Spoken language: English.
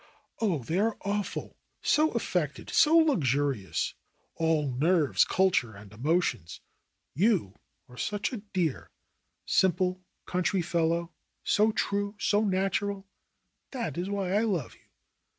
"Oh, they are awful! So affected, so luxurious, all nerves, culture and emotions. You are such a dear, simple country fellow, so true, so natural. That is why I love you.